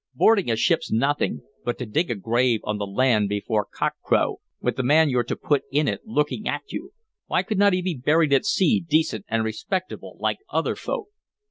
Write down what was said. Boarding a ship's nothing, but to dig a grave on the land before cockcrow, with the man you're to put in it looking at you! Why could n't he be buried at sea, decent and respectable, like other folk?"